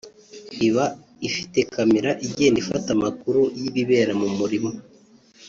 Iba ifite kamera igenda ifata amakuru y’ibibera mu murima